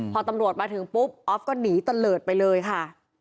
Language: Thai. พอตำรวจมาถึงปุ๊บออฟก็หนีตะเลิศไปเลยค่ะ